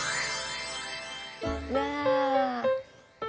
わあ！